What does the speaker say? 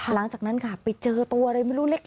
หลังจากนั้นค่ะไปเจอตัวอะไรไม่รู้เล็ก